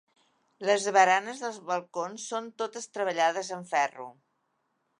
Les baranes dels balcons són totes treballades en ferro.